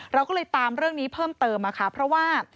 เราก็เลยตามเรื่องนี้เพิ่มเติมนะคะเพราะว่า